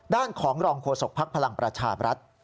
ด้านของรองโฆษกภักดิ์พลังประชาบรัฐ